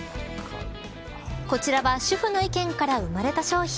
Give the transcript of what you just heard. こちらは主婦の意見から生まれた商品。